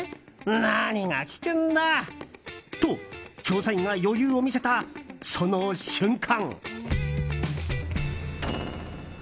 なにが危険だと調査員が余裕を見せたその瞬間。